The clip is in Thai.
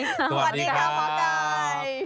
สวัสดีค่ะหมอไก่